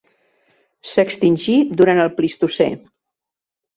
S'extingí durant el Plistocè.